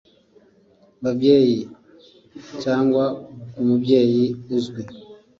Babyeyi cyangwa ku mubyeyi uzwi